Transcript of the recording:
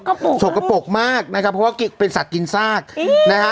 กระปกสกปรกมากนะครับเพราะว่าเป็นสัตว์กินซากนะฮะ